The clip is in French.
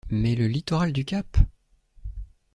Mais le littoral du cap?...